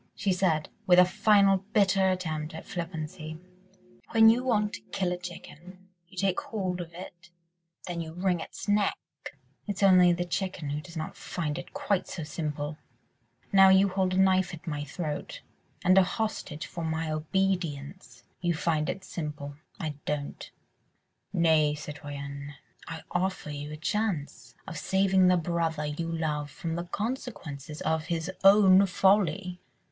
she said, with a final bitter attempt at flippancy, "when you want to kill a chicken ... you take hold of it ... then you wring its neck ... it's only the chicken who does not find it quite so simple. Now you hold a knife at my throat, and a hostage for my obedience. ... You find it simple. ... I don't." "Nay, citoyenne, I offer you a chance of saving the brother you love from the consequences of his own folly."